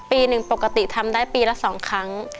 ปีหนึ่งปกติทำได้ปีละ๒ครั้ง